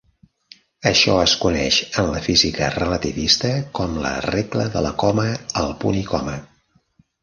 Això es coneix en la física relativista com la "regla de la coma al punt i coma".